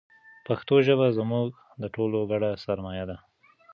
پښتو ژبه زموږ د ټولو ګډه سرمایه ده.